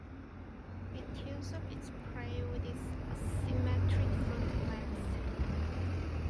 It tears up its prey with its asymmetric front legs.